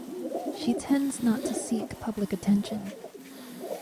She tends not to seek public attention.